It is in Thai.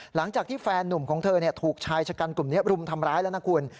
หลังจากที่แฟนนุ่มของเธอถูกชายชะกันกลุ่มนี้รุมทำร้ายแล้วนะคุณ